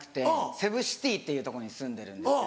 セブ・シティっていうとこに住んでるんですけど。